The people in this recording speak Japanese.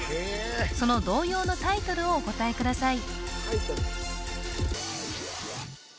その童謡のタイトルをお答えください